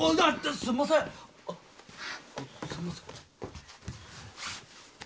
すんません